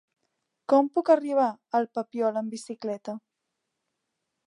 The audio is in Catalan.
Com puc arribar al Papiol amb bicicleta?